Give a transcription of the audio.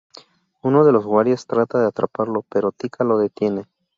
Uno de los guardias trata de atraparlo, pero Tika lo detiene.